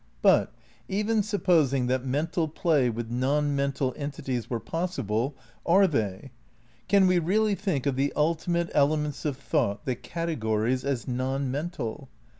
gories But — even supposing that mental play with non men tal entities were possible — are they? Can we really think of the ultimate elements of thought, the cate gories, as non mental?